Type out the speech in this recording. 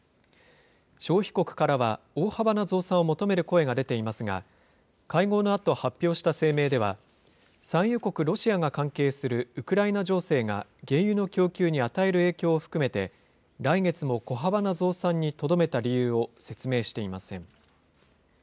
消費国からは大幅な増産を求める声が出ていますが、会合のあと、発表した声明では、産油国ロシアが関係するウクライナ情勢が、原油の供給に与える影響を含めて、来月も小幅な増産にとどめた理由を説明していません。